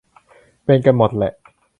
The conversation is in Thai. เป็นกันหมดแหละ